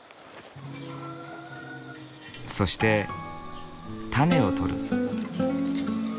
そして種を取る。